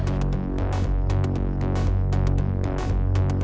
ikutan keluar aja